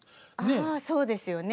ああそうですよね。